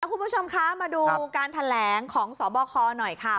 คุณผู้ชมคะมาดูการแถลงของสบคหน่อยค่ะ